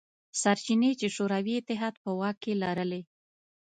سرچینې چې شوروي اتحاد په واک کې لرلې.